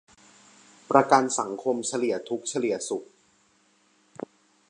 ประกันสังคม เฉลี่ยทุกข์เฉลี่ยสุข